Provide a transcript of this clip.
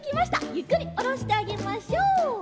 ゆっくりおろしてあげましょう。